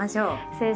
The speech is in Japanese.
先生